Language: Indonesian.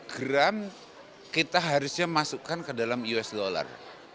gram kita harusnya masukkan ke dalam us dollar